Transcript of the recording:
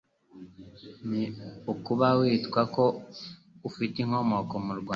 ni ukuba bitwa ko bafite inkomoko mu Rwanda,